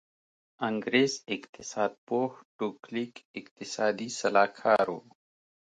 انګرېز اقتصاد پوه ټو کلیک اقتصادي سلاکار و.